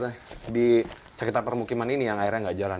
jadi sekitar permukiman ini yang airnya nggak jalan